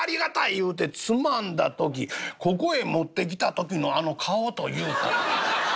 言うてつまんだ時ここへ持ってきた時のあの顔と言うたら。